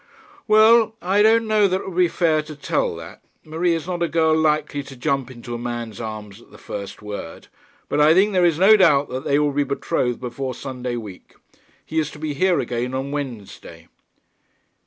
'Well; I don't know that it would be fair to tell that. Marie is not a girl likely to jump into a man's arms at the first word. But I think there is no doubt that they will be betrothed before Sunday week. He is to be here again on Wednesday.'